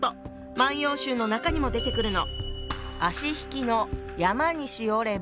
「万葉集」の中にも出てくるの。